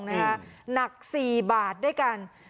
หนัก๔บาทด้วยกัน